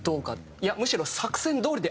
いやむしろ。